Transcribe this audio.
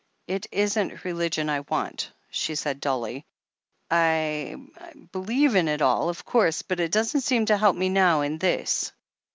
"It isn't religion I want," she said dully. "I — I believe in it all, of course, but it doesn't seem to help me now in this."